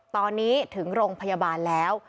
ตอนนี้ถึงโรงพยาบาลแล้ว